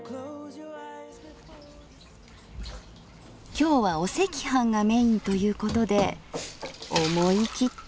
今日はお赤飯がメインということで思い切って作ります。